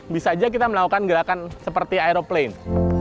bisa saja kita melakukan gerakan seperti aeroplane